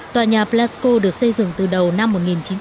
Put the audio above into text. tòa nhà blasco được xây dựng từ đầu năm một nghìn chín trăm sáu mươi